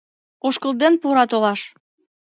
Ошкылден пурат олаш